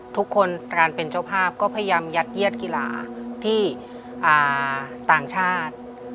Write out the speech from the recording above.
ทุกคนการเป็นเจ้าภาพก็พยายามยัดเยียดกีฬาที่ต่างชาติ